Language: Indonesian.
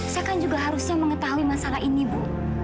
saya kan juga harusnya mengetahui masalah ini bu